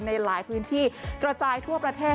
ในหลายพื้นที่กระจายทั่วประเทศ